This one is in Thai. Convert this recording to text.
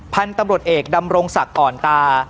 พันธุ์ตำรวจเอกดำรงศักดิ์อ่อนตา